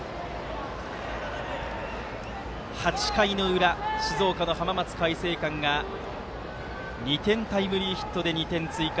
８回の裏、静岡の浜松開誠館が２点タイムリーヒットで２点追加。